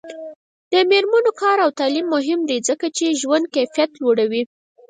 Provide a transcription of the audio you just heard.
د میرمنو کار او تعلیم مهم دی ځکه چې ژوند کیفیت لوړوي.